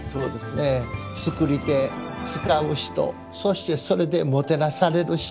作り手使う人そしてそれでもてなされる人